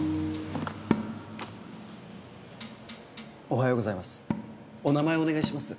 おはようございます。